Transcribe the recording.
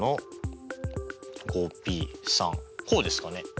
こうですかね？